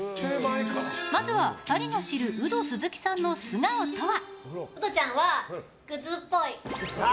まずは２人が知るウド鈴木さんの素顔とは？